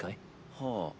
はあ。